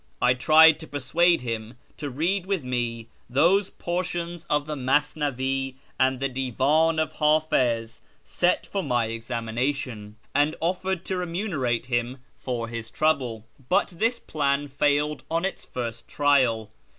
I tried to persuade him to read with me those portions of the Masnavi and the Divan of Hdfiz set for my examination, and offered to remunerate him for his trouble ; but this plan failed on its first trial.